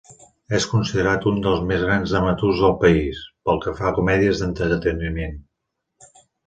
És considerat un dels més grans dramaturgs del país pel que fa a comèdies d'entreteniment.